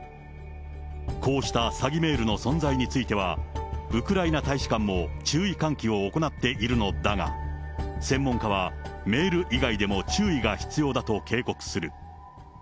こうした詐欺メールの存在については、ウクライナ大使館も注意喚起を行っているのだが、専門家はメール以外でも注意が必要だと警告する。